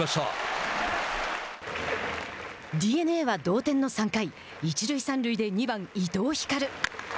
ＤｅＮＡは同点の３回一塁三塁で２番伊藤光。